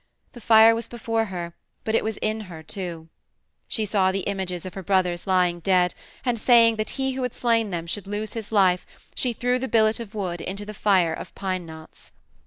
The fire was before her, but it was in her too. She saw the images of her brothers lying dead, and, saying that he who had slain them should lose his life, she threw the billet of wood into the fire of pine knots.